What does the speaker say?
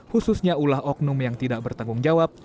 khususnya ulah oknum yang tidak bertanggung jawab